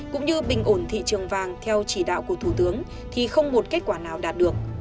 cũng như bình ổn thị trường vàng theo chỉ đạo của thủ tướng thì không một kết quả nào đạt được